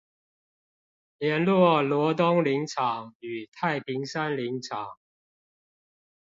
聯絡羅東林場與太平山林場